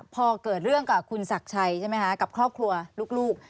พอเกิดเรื่องกับคุณศักดิ์ชัยใช่ไหมคะกับครอบครัวลูก